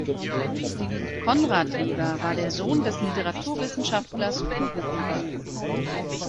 Konrad Bieber war der Sohn des Literaturwissenschaftlers Hugo Bieber.